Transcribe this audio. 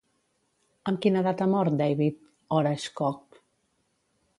Amb quina edat ha mort David hores Koch?